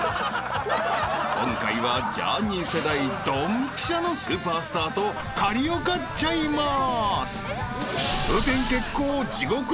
［今回はジャーニー世代ドンピシャのスーパースターとカリオカっちゃいます］